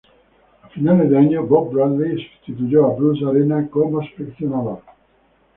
A finales de año, Bob Bradley sustituyó a Bruce Arena como seleccionador.